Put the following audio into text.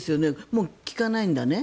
もう効かないんだね